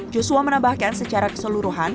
joshua menambahkan secara keseluruhan